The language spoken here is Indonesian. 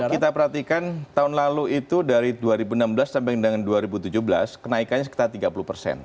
kita perhatikan tahun lalu itu dari dua ribu enam belas sampai dengan dua ribu tujuh belas kenaikannya sekitar tiga puluh persen